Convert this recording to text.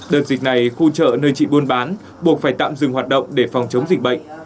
đợt dịch này khu chợ nơi chị buôn bán buộc phải tạm dừng hoạt động để phòng chống dịch bệnh